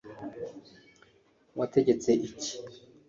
wategetse iki